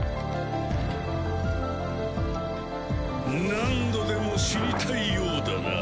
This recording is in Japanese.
何度でも死にたいようだな。